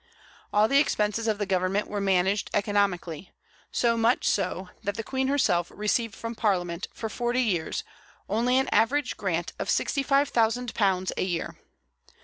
All the expenses of the government were managed economically, so much so that the Queen herself received from Parliament, for forty years, only an average grant of £65,000 a year.